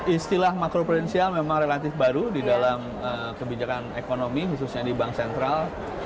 istilah makro prudensial memang relatif baru di dalam kebijakan ekonomi khususnya di bank sentral